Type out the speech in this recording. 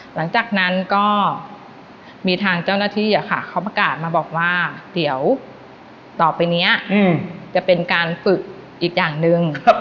หลังจากนั้นก็มีทางเจ้าหน้าที่เขาประกาศมาบอกว่าเดี๋ยวต่อไปนี้จะเป็นการฝึกอีกอย่างหนึ่ง